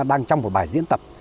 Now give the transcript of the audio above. đang trong một bài diễn tập